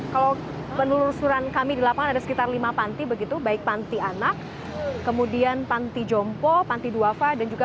kalau penelusuran kami di lapangan ada sekitar lima panti begitu baik panti anak kemudian panti jompo panti duafa